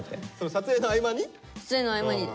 撮影の合間にです。